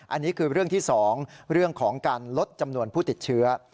อันนี้คือเรื่องที่๒เรื่องของการลดจำนวนผู้ติดเชื้อ